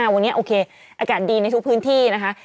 วันนี้โอเคอากาศดีในทุกพื้นที่นะคะ